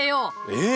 えっ？